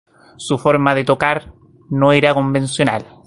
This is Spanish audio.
Su forma de tocar no era convencional.